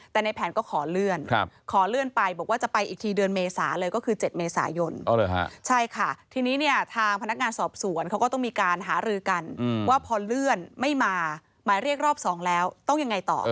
ว่าพอเลื่อนไม่มาหมายเรียกรอบ๒แล้วต้องยังไงต่อ